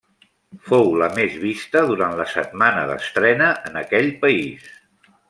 Fou la més vista durant la setmana d'estrena en aquell país.